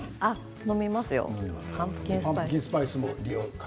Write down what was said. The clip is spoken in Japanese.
飲みますよ。